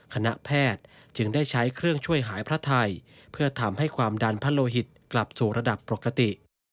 คณะแพทย์จึงได้ใช้เครื่องช่วยหายพระไทยเพื่อทำให้ความดันพระโลหิตกลับสู่ระดับปกติ